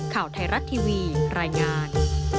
ข่าวไทยรัฐทีวีรายงาน